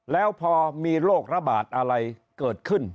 แล้วพอมีโรคระบาดอะไรเกิดขึ้น